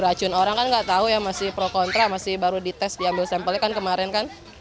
racun orang kan nggak tahu ya masih pro kontra masih baru dites diambil sampelnya kan kemarin kan